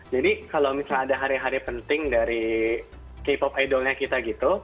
jadi kalau misalnya ada hari hari penting dari k pop idolnya kita gitu